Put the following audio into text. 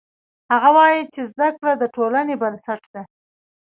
هغه وایي چې زده کړه د ټولنې بنسټ ده